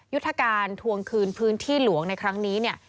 ยุทธการทวงคืนพื้นที่หลวงในครั้งนี้เนี่ย